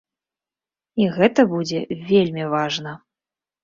І гэта будзе вельмі важна!